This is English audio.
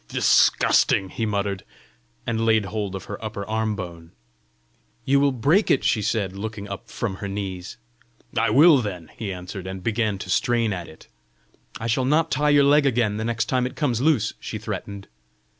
"Disgusting!" he muttered, and laid hold of her upper arm bone. "You will break it!" she said, looking up from her knees. "I will, then!" he answered, and began to strain at it. "I shall not tie your leg again the next time it comes loose!" she threatened.